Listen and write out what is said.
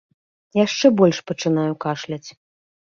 Яшчэ больш пачынаю кашляць.